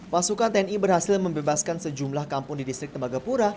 pasukan tni berhasil membebaskan sejumlah kampung di distrik tembagapura